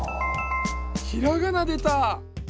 ひらがなでた！